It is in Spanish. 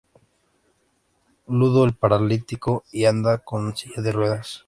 Ludo es paralítico y anda en silla de ruedas.